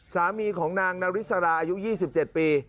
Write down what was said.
สามีของนางนาริสราอายุ๒๗ปี